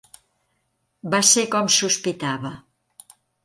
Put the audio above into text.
Va ser com sospitava.